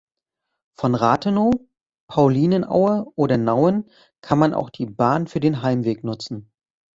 Von Rathenow, Paulinenaue oder Nauen kann man auch die Bahn für den Heimweg nutzen.